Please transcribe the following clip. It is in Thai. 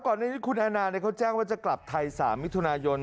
ในนี้คุณแอนนาเขาแจ้งว่าจะกลับไทย๓มิถุนายน